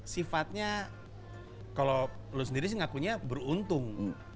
sifatnya kalau lo sendiri sih ngakunya beruntung